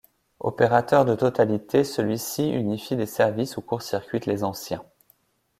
Opérateur de totalité, celui-ci unifie les services ou court-circuite les anciens.